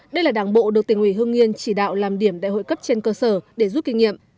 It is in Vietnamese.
đây là đảng bộ được tỉnh ủy hương nhiên chỉ đạo làm điểm đại hội cấp trên cơ sở để giúp kinh nghiệm